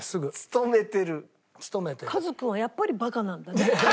カズ君はやっぱりバカなんだね。